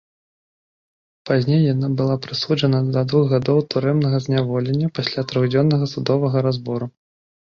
Пазней яна была прысуджана да двух гадоў турэмнага зняволення пасля трохдзённага судовага разбору.